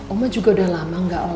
oma juga udah lama gak om